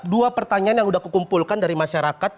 dua pertanyaan yang udah aku kumpulkan dari masyarakat